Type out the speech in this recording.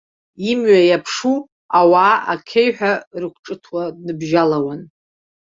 Имҩа иаԥшу ауаа акеҩҳәа рықәҿыҭуа дныбжьалауан.